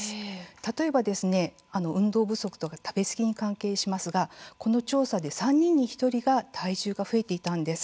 例えば運動不足や食べ過ぎに関係しますがこの調査で３人に１人が体重が増えていたんです。